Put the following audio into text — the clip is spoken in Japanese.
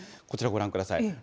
こちらご覧ください。